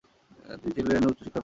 তিনি ছিলেন উচ্চ শিক্ষায়তনিক।